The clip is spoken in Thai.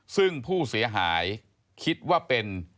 ซึ่งผู้เสียหายคิดว่าเป็น